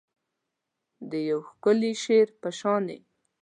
د یو ښکلي شعر په شاني